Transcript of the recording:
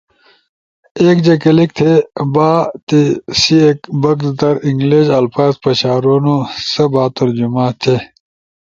ایک جے کلک تھے باں تیسی ایک بکس در انلگش الفاظ پشارونو سا با ترجمہ تھے۔